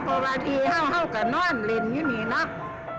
ประวัติเข้าเข้ากับนอนลินอยู่นี่นัก